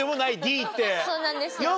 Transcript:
そうなんですよ。